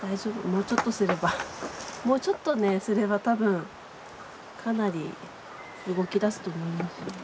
もうちょっとすればもうちょっとねすれば多分かなり動きだすと思いますよ。